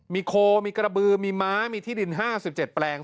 มีโคมีกระบือมีม้ามีที่ดิน๕๗แปลง